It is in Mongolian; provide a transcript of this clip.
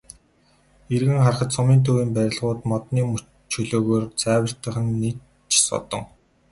Эргэн харахад сумын төвийн барилгууд модны чөлөөгөөр цайвартах нь нэн ч содон.